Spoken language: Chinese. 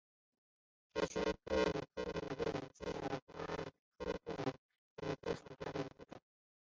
乔玄副克里介为荆花介科副克里介属下的一个种。